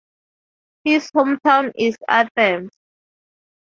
His hometown is Athens.